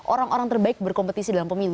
orang orang terbaik berkompetisi dalam pemilu